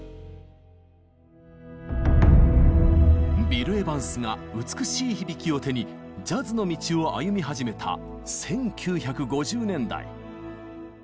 ビル・エヴァンスが「美しい響き」を手にジャズの道を歩み始めた１９５０年代。